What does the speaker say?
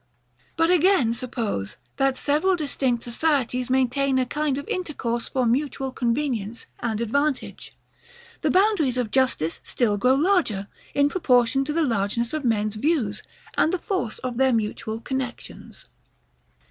But again suppose, that several distinct societies maintain a kind of intercourse for mutual convenience and advantage, the boundaries of justice still grow larger, in proportion to the largeness of men's views, and the force of their mutual connexions.